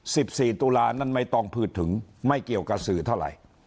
สิบสี่ตุลานั้นไม่ต้องพูดถึงไม่เกี่ยวกับสื่อเท่าไหร่